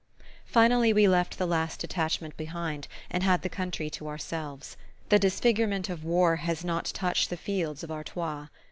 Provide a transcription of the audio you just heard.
Finally we left the last detachment behind, and had the country to ourselves. The disfigurement of war has not touched the fields of Artois.